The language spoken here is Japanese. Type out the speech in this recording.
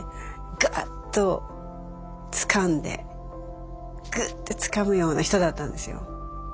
ガッとつかんでグッてつかむような人だったんですよ。